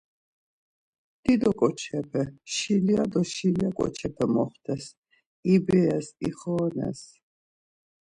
Dido ǩoçepe, şilya do şilya ǩoçepe moxtes, ibires, ixorones.